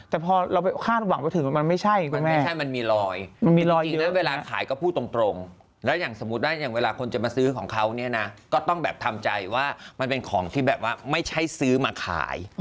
แต่พอเราคาดหวังมาถึงมันไม่ใช่มันมีรอย